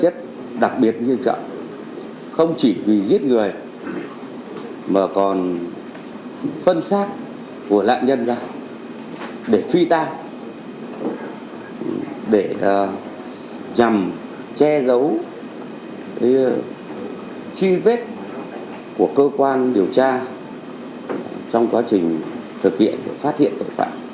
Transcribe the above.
phân xác của nạn nhân ra để phi tan để nhằm che giấu chi vết của cơ quan điều tra trong quá trình thực hiện và phát hiện tội phạm